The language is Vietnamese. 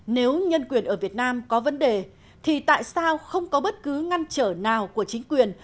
nếu nhân quyền ở việt nam có vấn đề thì tại sao không có bất cứ ngăn chở nào của chính quyền